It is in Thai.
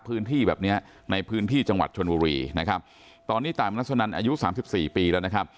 พื้นที่แบบเนี้ยในพื้นที่จังหวัดชนบุรีนะครับตอนนี้ตายมรัชนันอายุสามสิบสี่ปีแล้วนะครับ